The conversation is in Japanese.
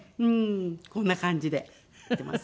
こんな感じでやってます。